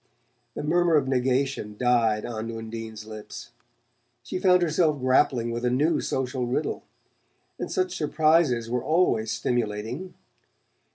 The murmur of negation died on Undine's lips. She found herself grappling with a new social riddle, and such surprises were always stimulating.